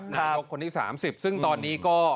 นายยกคนที่๓๐ซึ่งตอนนี้ก็